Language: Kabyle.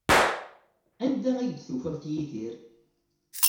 Anda ay d-tufamt Yidir?